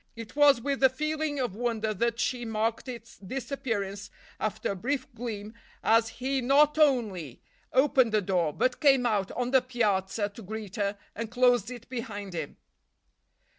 It was with a feeling of wonder that she marked its disappearance, after a brief gleam, as he not only opened the door, but came out on the piazza to greet her, and closed it behind him.